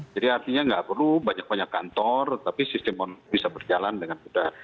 jadi artinya nggak perlu banyak banyak kantor tapi sistem bisa berjalan dengan mudah